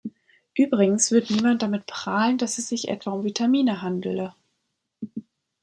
Übrigens wird niemand damit prahlen, dass es sich etwa um Vitamine handele.